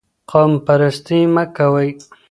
قوم پرستي مه کوئ.